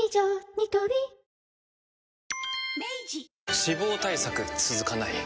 ニトリ脂肪対策続かない